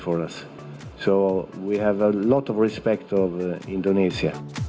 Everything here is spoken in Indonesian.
jadi kami sangat menghormati indonesia